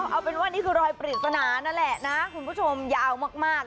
เอาเป็นว่านี่คือรอยปริศนานั่นแหละนะคุณผู้ชมยาวมาก